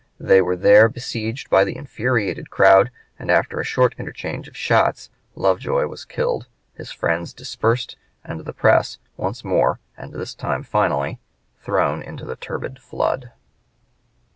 They were there besieged by the infuriated crowd, and after a short interchange of shots Lovejoy was killed, his friends dispersed, and the press once more and this time finally thrown into the turbid flood.